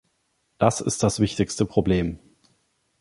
Das ist das wichtigste Problem.